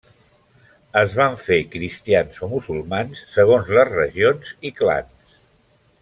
Es van fer cristians o musulmans segons les regions i clans.